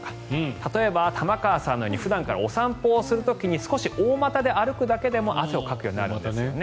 例えば玉川さんのように普段から散歩をする時にいつもより大股で歩くことで汗をかくようになるんですよね。